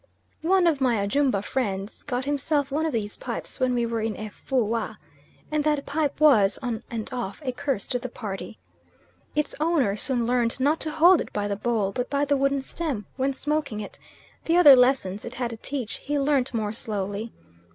One of my Ajumba friends got himself one of these pipes when we were in Efoua, and that pipe was, on and off, a curse to the party. Its owner soon learnt not to hold it by the bowl, but by the wooden stem, when smoking it; the other lessons it had to teach he learnt more slowly.